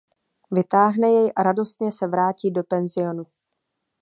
Vytáhne jej a radostně se vrátí do penzionu.